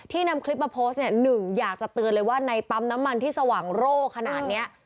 นำคลิปมาโพสต์เนี่ยหนึ่งอยากจะเตือนเลยว่าในปั๊มน้ำมันที่สว่างโร่ขนาดนี้